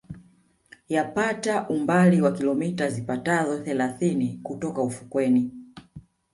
Yapata umbali wa kilomita zipatazo thelathini kutoka ufukweni